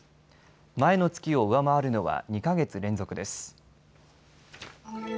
前の月を上回るのは２か月連続です。